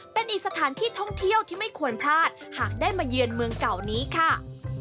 เป็นอีกสถานที่ท่องเที่ยวที่ไม่ควรพลาดหากได้มาเยือนเมืองเก่านี้ค่ะ